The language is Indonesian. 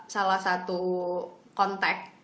salah satu kontak